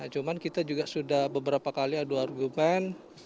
cuman kita juga sudah beberapa kali ada argumen